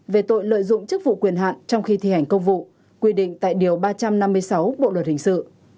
về tội lợi dụng chức vụ quyền hạn trong khi thi hành công vụ quy định tại điều ba trăm năm mươi sáu bộ luật hình sự